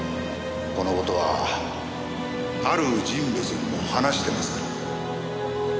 この事はある人物にも話してますから。